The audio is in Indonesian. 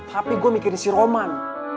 tapi gue mikirin si roman